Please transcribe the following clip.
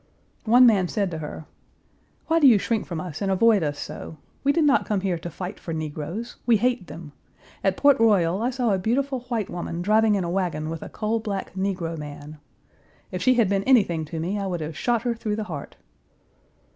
One man said to her: "Why do you shrink from us and avoid us so? We did not come here to fight for negroes; we hate them. At Port Royal I saw a beautiful white woman driving in a wagon with a coal black negro man. If she had been anything to me I would have shot her through the heart."